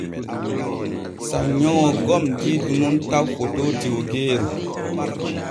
Sannyoowo gom diidu nun taw fotoo tiwggeeru.